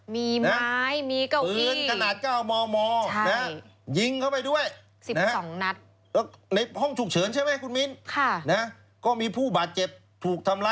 มีไม้มีเก้าอี้ฟื้นขนาดเก้ามมนะ